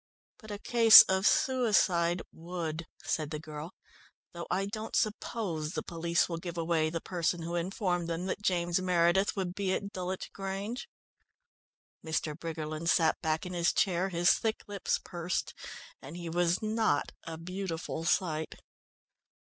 "But a case of suicide would," said the girl. "Though I don't suppose the police will give away the person who informed them that James Meredith would be at Dulwich Grange." Mr. Briggerland sat back in his chair, his thick lips pursed, and he was not a beautiful sight.